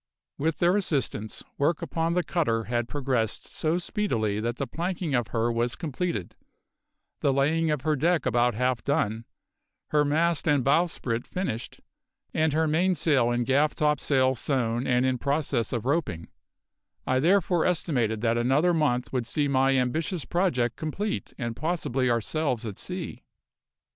With their assistance, work upon the cutter had progressed so speedily that the planking of her was completed, the laying of her deck about half done, her mast and bowsprit finished, and her mainsail and gaff topsail sewn and in process of roping; I therefore estimated that another month would see my ambitious project complete and possibly ourselves at sea.